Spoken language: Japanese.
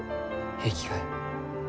平気かえ？